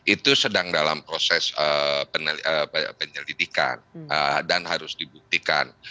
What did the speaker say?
itu sedang dalam proses penyelidikan dan harus dibuktikan